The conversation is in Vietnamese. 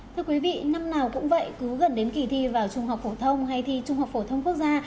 thưa quý vị năm nào cũng vậy cứ gần đến kỳ thi vào trung học phổ thông hay thi trung học phổ thông quốc gia